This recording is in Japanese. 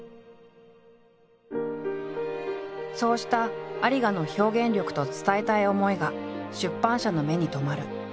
そうした有賀の表現力と伝えたい思いが出版社の目に留まる。